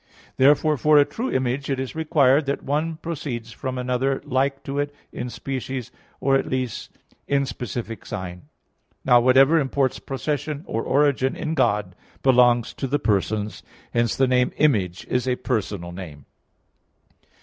Therefore for a true image it is required that one proceeds from another like to it in species, or at least in specific sign. Now whatever imports procession or origin in God, belongs to the persons. Hence the name "Image" is a personal name.